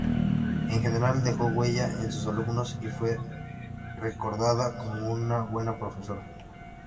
En general dejó huella en sus alumnos y fue recordada como una buena profesora.